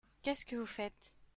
Qu'est-ce que vous faites ?